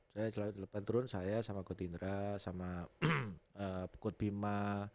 saya jam delapan turun saya sama god indra sama pukul bima